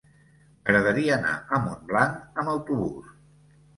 M'agradaria anar a Montblanc amb autobús.